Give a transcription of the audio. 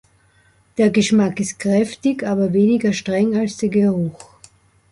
Der Geschmack ist kräftig, aber weniger streng als der Geruch.